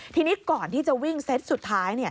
ทีนี้ก่อนที่จะวิ่งเซตสุดท้าย